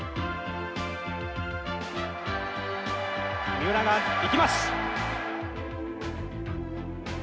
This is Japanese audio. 三浦がいきます！